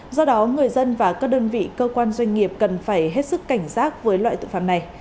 do đó người dân và các đơn vị cơ quan doanh nghiệp cần phải hết sức cảnh giác với loại tội phạm này